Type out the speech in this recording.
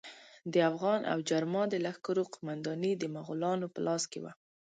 د اوغان او جرما د لښکرو قومانداني د مغولانو په لاس کې وه.